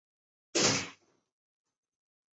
火珊瑚是千孔珊瑚科的水螅。